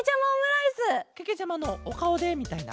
けけちゃまのおかおでみたいな？